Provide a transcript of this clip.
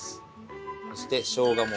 そしてしょうがも。